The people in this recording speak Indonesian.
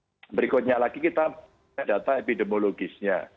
kemudian berikutnya lagi kita data epidemiologisnya